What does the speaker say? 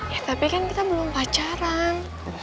ya tapi kan kita belum pacaran